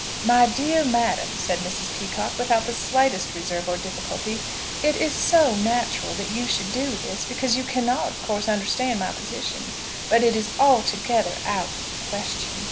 "My dear madam," said Mrs. Peacocke, without the slightest reserve or difficulty, "it is so natural that you should do this, because you cannot of course understand my position; but it is altogether out of the question."